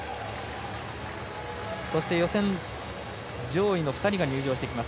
そして予選上位の２人が入場してきます。